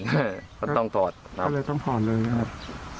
ก็ต้องถอดครับต้องถอดเลยครับต้องถอดเลยครับ